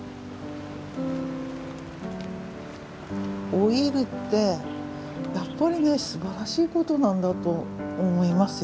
老いるってやっぱりねすばらしいことなんだと思いますよ。